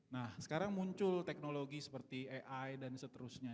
nah sekarang muncul teknologi seperti ai dan seterusnya